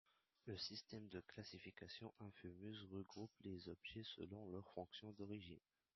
Le système de classification Info-Muse regroupe les objets selon leur fonction d'origine.